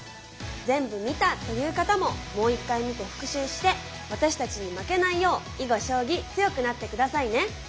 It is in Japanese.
全部見たという方ももう一回見て復習して私たちに負けないよう囲碁将棋強くなって下さいね。